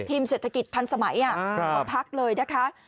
ทีมเศรษฐกิจทันสมัยอ่ะของภาคเลยนะคะ